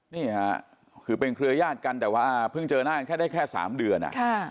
นี่คือเป็นเครยาดกันแต่คฟึ่งเจอน้านได้แค่๓เดือน